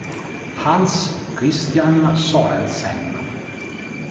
Hans Christian Sørensen